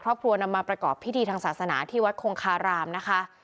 ครอบครัวนำมาประกอบพิธีทางศาสนาที่วัดคงคารามนะคะ